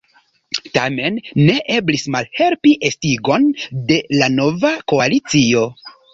Tamen ne eblis malhelpi estigon de la nova koalicio.